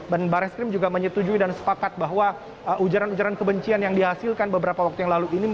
dan bareskrim juga menyetujui dan sepakat bahwa ujaran ujaran kebencian yang dihasilkan beberapa waktu yang lalu ini